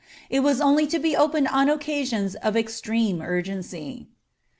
It was only to be opened on occasions of extreme urgency.